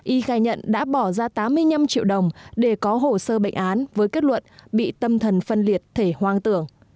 y khai nhận đã bỏ ra tám mươi năm triệu đồng để có hồ sơ bệnh án với kết luận bị tâm thần phân liệt thể hoang tưởng